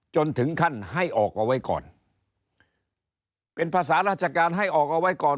จนถึงขั้นให้ออกเอาไว้ก่อนเป็นภาษาราชการให้ออกเอาไว้ก่อน